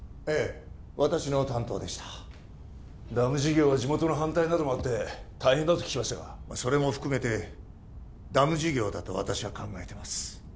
ええ私の担当でしたダム事業は地元の反対などもあって大変だと聞きましたがそれも含めてダム事業だと私は考えてます